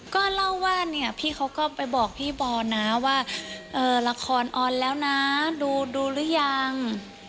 ก็เล่าว่าเนี่ยพี่เขาก็ไปบอกพี่บอลนะว่าละครออนแล้วนะดูหรือยัง